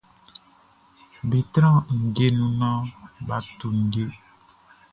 Be tran ndje nu nan ba tu ndje.